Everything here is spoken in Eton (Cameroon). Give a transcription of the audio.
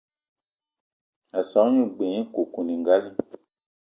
A so gne g-beu nye koukouningali.